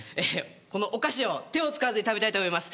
このお菓子を手を使わずに食べます。